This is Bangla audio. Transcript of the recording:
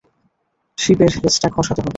শিপের লেজটা খসাতে হবে।